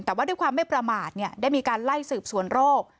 แต่ว่าด้วยความไม่ประมาทได้มีการไล่สืบสวนโรค